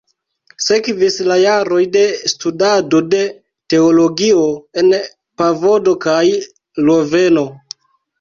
Sekvis la jaroj de studado de teologio en Padovo kaj Loveno.